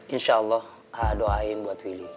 insya allah doain buat willy